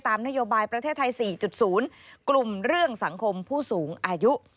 นโยบายประเทศไทย๔๐กลุ่มเรื่องสังคมผู้สูงอายุ